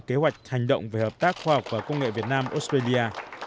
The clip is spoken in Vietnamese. kế hoạch hành động về hợp tác khoa học và công nghệ việt nam australia